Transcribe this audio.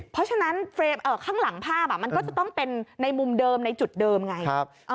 เพราะฉะนั้นข้างหลังภาพมันก็จะต้องเป็นในมุมเดิมในจุดเดิมไง